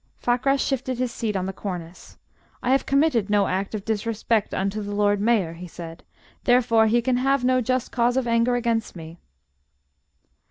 Fakrash shifted his seat on the cornice. "I have committed no act of disrespect unto the Lord Mayor," he said, "therefore he can have no just cause of anger against me."